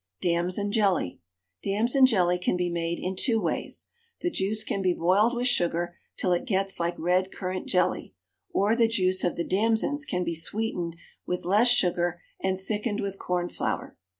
DAMSON JELLY. Damson jelly can be made in two ways. The juice can be boiled with sugar till it gets like red currant jelly, or the juice of the damsons can be sweetened with less sugar and thickened with corn flour.